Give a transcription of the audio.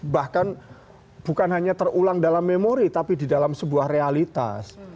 bahkan bukan hanya terulang dalam memori tapi di dalam sebuah realitas